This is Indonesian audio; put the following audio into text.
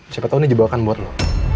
siapa tau ini jebakan buat lo